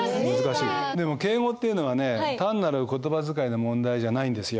でも敬語っていうのはね単なる言葉遣いの問題じゃないんですよ。